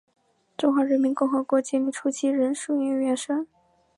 中华人民共和国建立初期仍属绥远省。